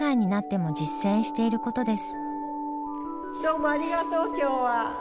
どうもありがとう今日は。